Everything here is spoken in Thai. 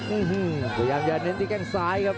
อื้อฮือพยายามอย่าเน้นที่แก้งซ้ายครับ